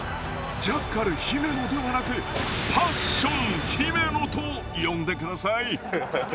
ジャッカル姫野ではなくパッション姫野と呼んでください！